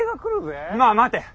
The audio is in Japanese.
まあ待て。